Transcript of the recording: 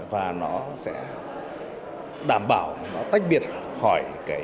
và nó sẽ đảm bảo nó tách biệt khỏi cái quyền lực của các cái bộ phận quản lý